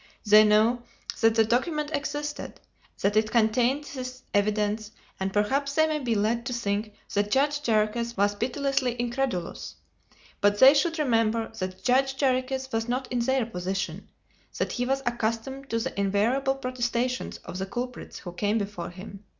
They know that the document existed; that it contained this evidence; and perhaps they may be led to think that Judge Jarriquez was pitilessly incredulous. But they should remember that Judge Jarriquez was not in their position; that he was accustomed to the invariable protestations of the culprits who came before him.